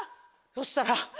そしたら。